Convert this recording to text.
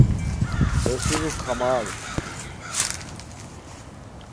لو سیرو کھاماڑ